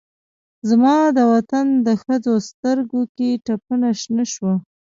زما دوطن د ښځوسترګوکې ټپونه شنه شوه